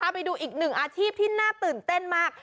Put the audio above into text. ไปดูอีกหนึ่งอาชีพที่น่าตื่นเต้นมาก